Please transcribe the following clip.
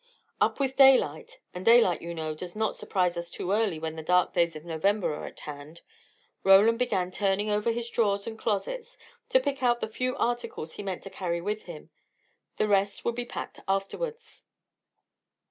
Up with daylight and daylight, you know, does not surprise us too early when the dark days of November are at hand Roland began turning over his drawers and closets, to pick out the few articles he meant to carry with him: the rest would be packed afterwards.